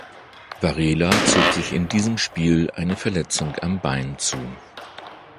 Varela zog sich in diesem Spiel eine Verletzung am Bein zu.